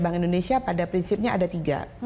bank indonesia pada prinsipnya ada tiga